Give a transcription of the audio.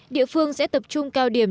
địa phương sẽ tập trung cao điểm